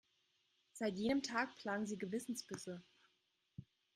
Seit jenem Tag plagen sie Gewissensbisse.